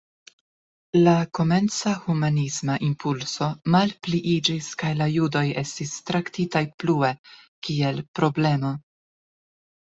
La komenca humanisma impulso malpliiĝis kaj la judoj estis traktitaj plue kiel „problemo”.